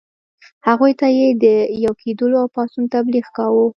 هغوی ته یې د یو کېدلو او پاڅون تبلیغ کاوه.